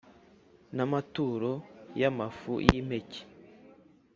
n’amaturo y’amafu y’impeke